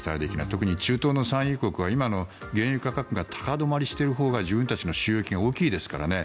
特に中東の産油国は今の原油価格が高止まりしているほうが自分たちの収益が大きいですからね。